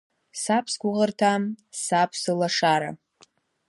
Саб сгәыӷырҭа, саб сылашара.